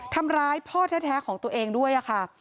ทำร้ายพ่อแท้ของตัวเองด้วยค่ะ